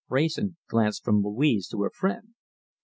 Wrayson glanced from Louise to her friend.